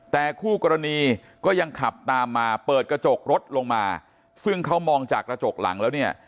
แต่คู่กรณีก็ยังขับตามมาเปิดกระจกรถลงมาซึ่งเขามองจากกระจกหลังแล้วเนี่ย